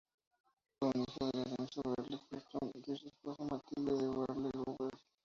Fue un hijo de Lorenzo de Werle-Güstrow y su esposa Matilde de Werle-Goldberg.